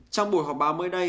trong buổi họp báo mới đây